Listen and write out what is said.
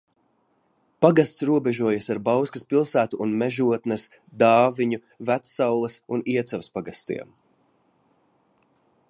Pagasts robežojas ar Bauskas pilsētu un Mežotnes, Dāviņu, Vecsaules un Iecavas pagastiem.